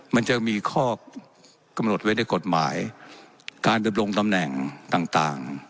มันจะมีข้อกำหนดไว้กฎหมายการจะเริ่มลงตำแหน่งต่าง